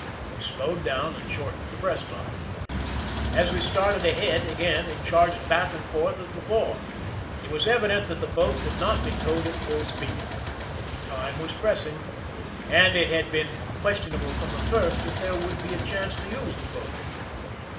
We slowed down and shortened the breast line. As we started ahead again, it charged back and forth as before. It was evident that the boat could not be towed at full speed. Time was pressing, and it had been ques tionable from the first if there would be a chance to use the boat.